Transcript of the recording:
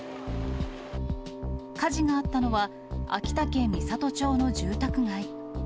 火事があったのは、秋田県美郷町の住宅街。